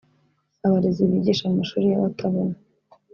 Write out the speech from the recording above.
Abarezi bigisha mu mashuli y’abatabona